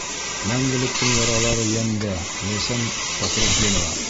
Мәңгелектең яралары йәндә: Ләйсән Фәхретдинова.